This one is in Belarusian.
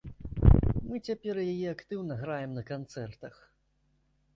Мы цяпер яе актыўна граем на канцэртах.